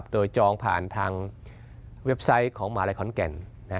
โดยจองผ่านทางเว็บไซต์ของหมาลัยขอนแก่น